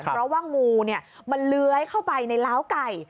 เพราะว่างูมันเลื้อยเข้าไปในล้าวไก่